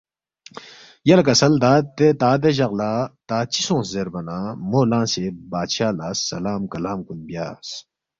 یلے کسل تا دے جق لہ تا چِہ سونگس زیربا نہ مو لنگسے بادشاہ لہ سلام کلام کُن بیاس